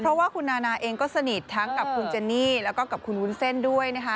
เพราะว่าคุณนานาเองก็สนิททั้งกับคุณเจนี่แล้วก็กับคุณวุ้นเส้นด้วยนะคะ